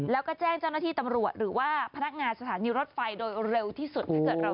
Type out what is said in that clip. แล้วก็แจ้งเจ้าหน้าที่ตำรวจหรือว่าพนักงานสถานีรถไฟโดยเร็วที่สุดถ้าเกิดเรา